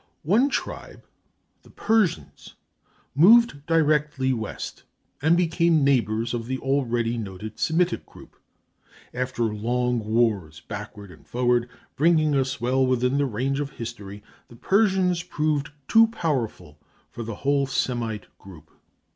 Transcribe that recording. One tribe, the Persians, moved directly west, and became neighbors of the already noted Semitic group. After long wars backward and forward, bringing us well within the range of history, the Persians proved too powerful for the whole Semite group.